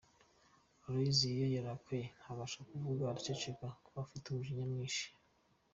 Aloys iyo yarakaye ntabasha kuvuga araceceka, aba afite umujinya mwinshi.